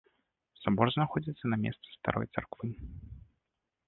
Сабор знаходзіцца на месцы старой царквы.